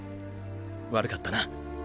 悪かったな。